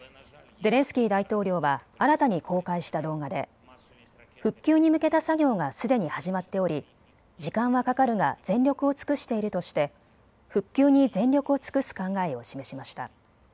ゼレンスキー大統領は新たに公開した動画で復旧に向けた作業がすでに始まっており時間はかかるが全力を尽くしているとして復旧に全力を尽くす考えを示しました。